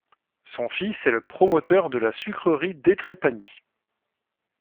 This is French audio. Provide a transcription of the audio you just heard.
Son fils est le promoteur de la sucrerie d'Étrépagny.